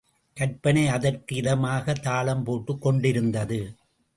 கற்பனை அதற்கு இதமாக தாளம் போட்டுக் கொண்டிருந்தது.